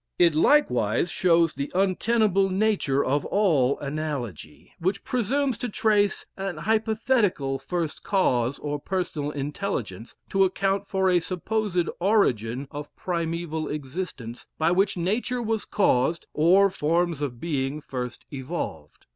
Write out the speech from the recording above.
It likewise shows the untenable nature of all analogy, which presumes to trace an hypothetical first cause or personal intelligence, to account for a supposed origin of primeval existence, by which nature was caused, or forms of being first evolved.